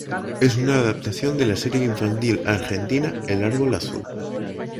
Es una adaptación de la serie infantil argentina "El árbol azul".